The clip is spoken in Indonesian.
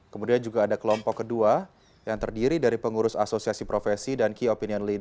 kemudian juga ada kelompok kedua yang terdiri dari pengurus asosiasi profesi dan kio